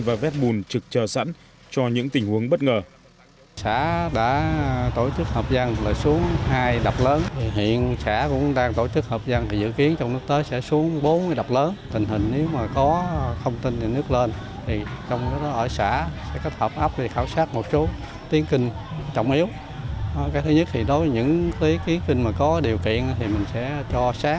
và vét bùn trực chờ sẵn cho những tình huống bất ngờ